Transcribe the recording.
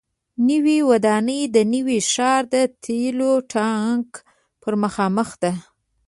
نوې ودانۍ د نوي ښار د تیلو ټانک پر مخامخ ده.